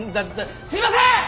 すいません！